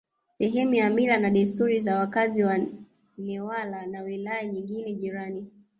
sehemu ya mila na desturi za wakazi wa Newala na wilaya nyingine jirani